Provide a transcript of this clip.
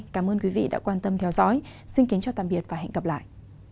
cảm ơn quý vị đã quan tâm theo dõi xin kính chào tạm biệt và hẹn gặp lại